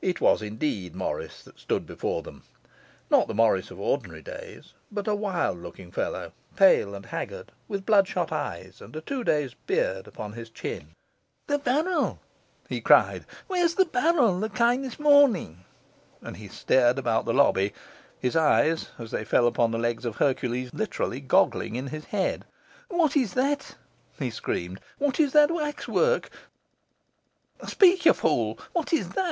It was indeed Morris that stood before them; not the Morris of ordinary days, but a wild looking fellow, pale and haggard, with bloodshot eyes, and a two days' beard upon his chin. 'The barrel!' he cried. 'Where's the barrel that came this morning?' And he stared about the lobby, his eyes, as they fell upon the legs of Hercules, literally goggling in his head. 'What is that?' he screamed. 'What is that waxwork? Speak, you fool! What is that?